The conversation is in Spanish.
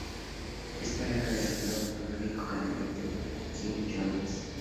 Es pareja del actor pornográfico canadiense Jessy Jones.